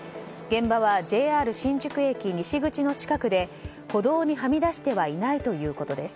現場はＪＲ新宿駅西口の近くで歩道にはみ出してはいないということです。